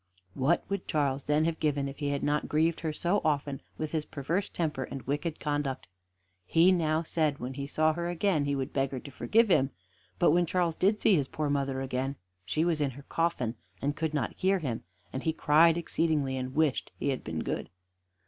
What would Charles then have given if he had not grieved her so often with his perverse temper and wicked conduct? He now said when he saw her again, he would beg her to forgive him; but when Charles did see his poor mother again she was in her coffin and could not hear him; and he cried exceedingly, and wished he had been good.